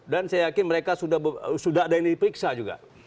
dan saya yakin mereka sudah ada yang diperiksa juga